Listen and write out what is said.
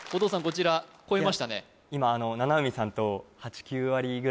こちら越えましたね